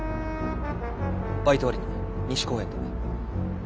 バイト終わりに西公園で。